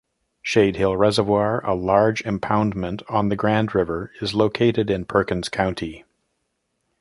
Shadehill Reservoir, a large impoundment on the Grand River, is located in Perkins County.